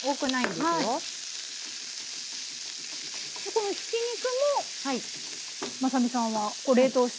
このひき肉もまさみさんは冷凍して？